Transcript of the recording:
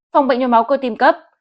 phòng bệnh nhồi máu cơ tim cấp